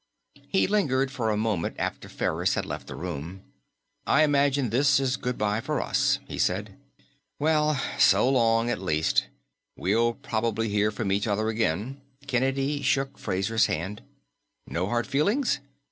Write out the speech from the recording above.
He lingered for a moment after Ferris had left the room. "I imagine this is goodbye for us," he said. "Well, so long, at least. We'll probably hear from each other again." Kennedy shook Fraser's hand. "No hard feelings?